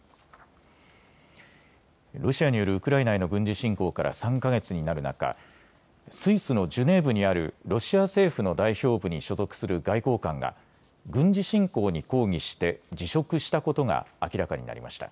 ロシアによるウクライナへの軍事侵攻から３か月になる中、スイスのジュネーブにあるロシア政府の代表部に所属する外交官が軍事侵攻に抗議して辞職したことが明らかになりました。